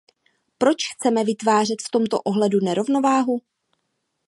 Proč chceme vytvářet v tomto ohledu nerovnováhu?